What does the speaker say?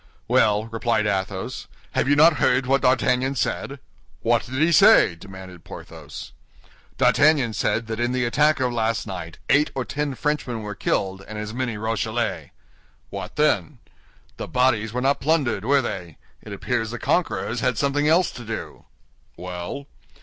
"Well," replied Athos, "have you not heard what D'Artagnan said?" "What did he say?" demanded Porthos. "D'Artagnan said that in the attack of last night eight or ten Frenchmen were killed, and as many Rochellais." "What then?" "The bodies were not plundered, were they? It appears the conquerors had something else to do." "Well?"